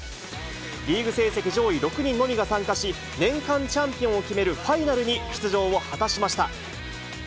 リーグ成績上位６人のみが参加し、年間チャンピオンを決めるファイナルに出場を果たしました。